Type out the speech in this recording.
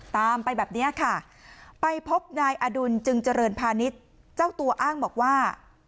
ตามไปแบบนี้ค่ะไปพบนายอดุลจึงเจริญพาณิชย์เจ้าตัวอ้างบอกว่า